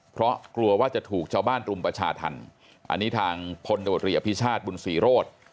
เพราะกลัวว่าจะถูกชาวบ้านรุมประชาธรรมอันนี้ทางพลตบรีอภิชาติบุญศรีโรธ